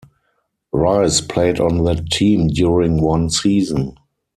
Rice played on that team during one season.